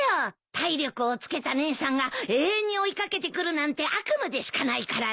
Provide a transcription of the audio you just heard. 体力をつけた姉さんが永遠に追い掛けてくるなんて悪夢でしかないからね。